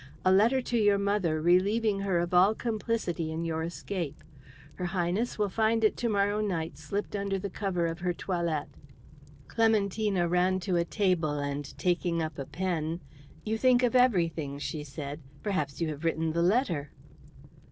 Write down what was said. "A letter to your mother, relieving her of all complicity in your escape. Her Highness will find it to morrow night slipped under the cover of her toilette." Clementina ran to a table, and taking up a pen, "You think of everything," she said. "Perhaps you have written the letter."